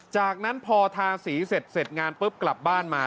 จากนั้นพอทาสีเสร็จงานปุ๊บกลับบ้านมา